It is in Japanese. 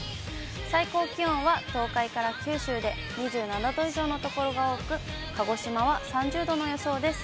最高気温は東海から九州で２７度以上の所が多く、鹿児島は３０度の予想です。